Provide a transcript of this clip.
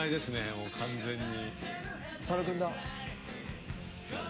もう完全に。